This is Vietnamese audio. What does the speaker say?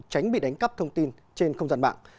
tránh bị đánh cắp thông tin trên không gian mạng